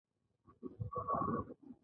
د ګاندي فلسفي پوهه د روح ځواک دی.